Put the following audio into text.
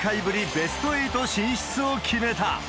ベスト８進出を決めた。